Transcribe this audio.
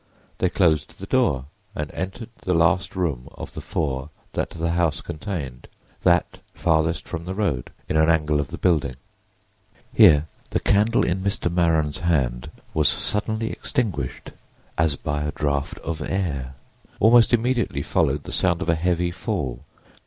They closed the door and entered the last room of the four that the house contained—that farthest from the road, in an angle of the building. Here the candle in Mr. Maren's hand was suddenly extinguished as by a draught of air. Almost immediately followed the sound of a heavy fall.